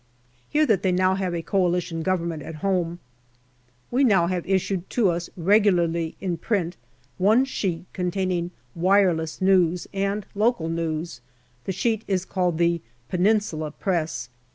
Hear that they now have a Coalition Government at home. We now have issued to us regularly in print one sheet containing " wireless news " and local news. The sheet is called the Peninsula Press.